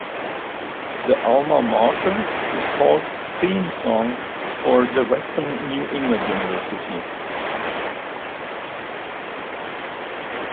The "alma mater" is called "Theme Song for Western New England University.